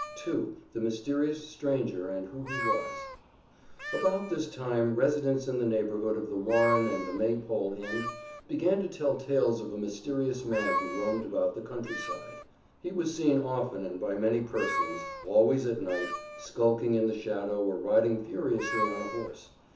II THE MYSTERIOUS STRANGER AND WHO HE WAS About this time residents in the neighborhood of The Warren and the Maypole Inn began to tell tales of a mysterious man who roamed about the country side. He was seen often and by many persons, always at night, skulking in the shadow or riding furiously on a horse.